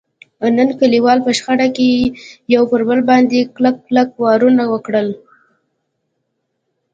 نن کلیوالو په شخړه کې یو پر بل باندې کلک کلک وارونه وکړل.